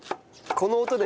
この音で。